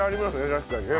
確かにね。